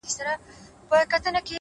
• دا ستا شعرونه مي د زړه آواز دى،